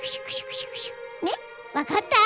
わかった？